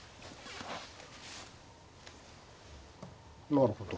なるほど。